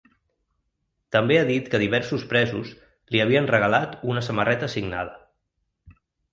També ha dit que diversos presos li havien regalat una samarreta signada.